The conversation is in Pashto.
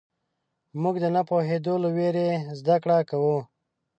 موږ د نه پوهېدو له وېرې زدهکړه کوو.